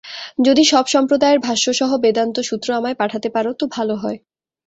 যদি সব সম্প্রদায়ের ভাষ্যসহ বেদান্তসূত্র আমায় পাঠাতে পার তো ভাল হয়।